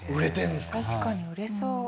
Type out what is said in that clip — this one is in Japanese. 確かに売れそう。